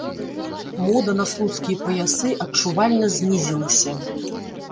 Мода на слуцкія паясы адчувальна знізілася.